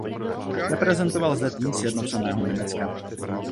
Reprezentoval zde tým sjednoceného Německa.